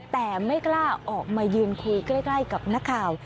แต่ไม่กล้าออกมายืนคุยใกล้กับนักข่าว